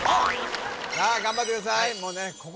さあ頑張ってください